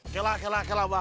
kelak kelak kelak